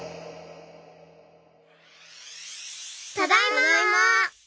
ただいま！